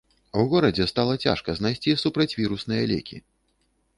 У горадзе стала цяжка знайсці супрацьвірусныя лекі.